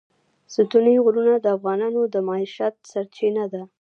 ستوني غرونه د افغانانو د معیشت سرچینه ده.